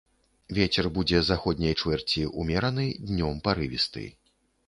Вецер будзе заходняй чвэрці ўмераны, днём парывісты.